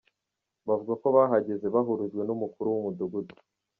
Bavuga ko bahageze bahurujwe n'umukuru w'umudugudu.